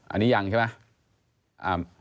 อันนี้ยังใช่ไหม